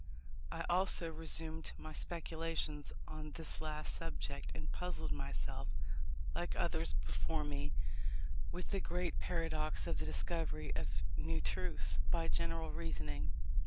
I also resumed my speculations on this last subject, and puzzled myself, like others before me, with the great paradox of the discovery of new truths by general reasoning.